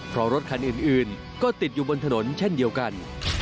เพราะรถคันอื่นก็ติดอยู่บนถนนเช่นเดียวกัน